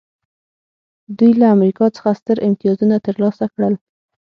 دوی له امریکا څخه ستر امتیازونه ترلاسه کړل